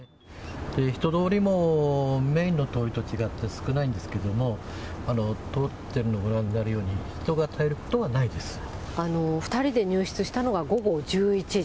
人通りもメインの通りと違って、少ないんですけども、通ってるのをご覧になるように、２人で入室したのが午後１１時。